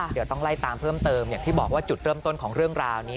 เดี๋ยวต้องไล่ตามเพิ่มเติมอย่างที่บอกว่าจุดเริ่มต้นของเรื่องราวนี้